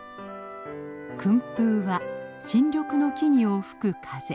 「薫風」は新緑の木々を吹く風。